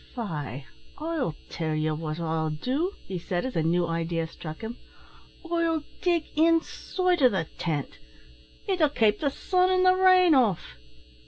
"Faix I'll tell ye what I'll do," he said, as a new idea struck him, "I'll dig inside o' the tint. It 'll kape the sun an' the rain off."